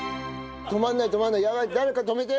止まんない止まんない。